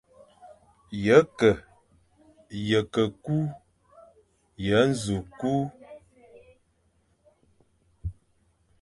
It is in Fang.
Ye ke, ye ke kü, ye nẑu kü,